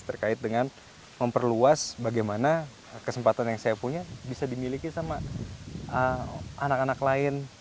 terkait dengan memperluas bagaimana kesempatan yang saya punya bisa dimiliki sama anak anak lain